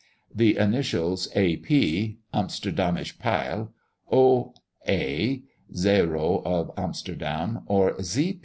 The initials A. P. (Amsterdamsche Peil), O. A. (Zero of Amsterdam), or Z.